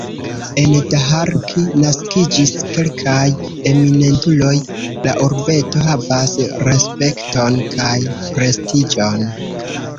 En Daharki naskiĝis kelkaj eminentuloj, la urbeto havas respekton kaj prestiĝon.